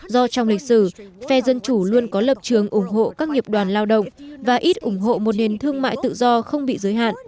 do trong lịch sử phe dân chủ luôn có lập trường